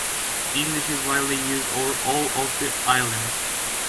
English is widely used over all of the island.